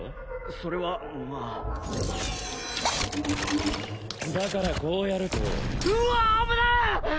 それはまあだからこうやるとうわあ危なっ！